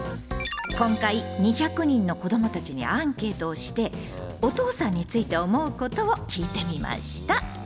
今回２００人の子どもたちにアンケートをしてお父さんについて思うことを聞いてみました。